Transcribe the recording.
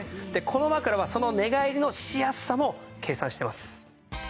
この枕はその寝返りのしやすさも計算してます。